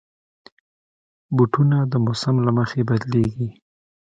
بوټونه د موسم له مخې بدلېږي.